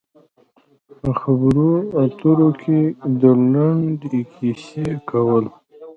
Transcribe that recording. په خبرو اترو کې د لنډې کیسې کول.